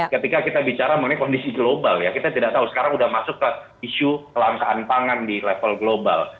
ketika kita bicara mengenai kondisi global ya kita tidak tahu sekarang sudah masuk ke isu kelangkaan pangan di level global